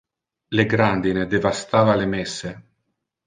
Le grandine devastava le messe.